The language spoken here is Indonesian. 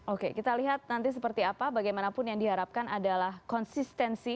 oke kita lihat nanti seperti apa bagaimanapun yang diharapkan adalah konsistensi